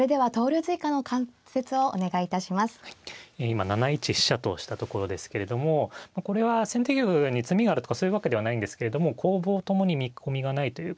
今７一飛車としたところですけれどもこれは先手玉に詰みがあるとかそういうわけではないんですけれども攻防ともに見込みがないということですね。